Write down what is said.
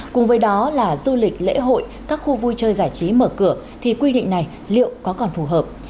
cùng với đó là du lịch lễ hội các khu vui chơi giải trí mở cửa thì quy định này liệu có còn phù hợp